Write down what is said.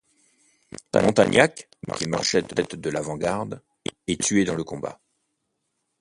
Montagnac, qui marchait en tête de l'avant-garde, est tué dans le combat.